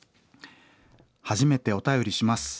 「初めてお便りします。